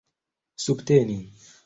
subteni